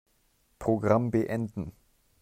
Programm beenden.